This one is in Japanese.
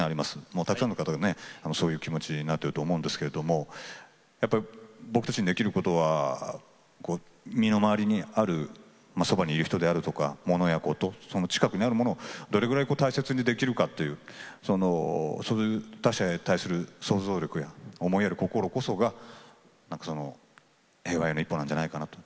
もうたくさんの方がねそういう気持ちになってると思うんですけれどもやっぱり僕たちにできることは身の回りにあるそばにいる人であるとか物やことその近くにあるものをどれぐらい大切にできるかっていうそういう他者へ対する想像力や思いやる心こそが何かその平和への一歩なんじゃないかなと。